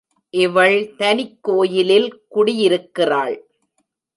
இவள் தனிக் கோயிலில் குடியிருக்கிறாள்.